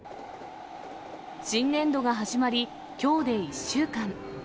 新年度が始まり、きょうで１週間。